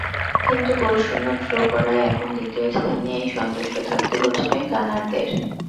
কিন্তু গোলশূন্য ড্র করায় এখন দ্বিতীয় স্থান নিয়েই সন্তুষ্ট থাকতে হচ্ছে গানারদের।